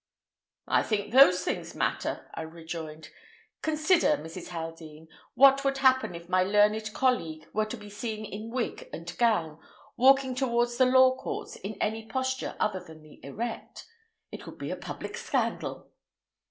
"I think those things matter," I rejoined. "Consider, Mrs. Haldean, what would happen if my learned colleague were to be seen in wig and gown, walking towards the Law Courts in any posture other than the erect. It would be a public scandal."